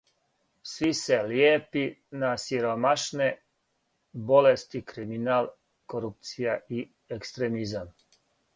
Све се лијепи на сиромашне: болести, криминал, корупција и екстремизам.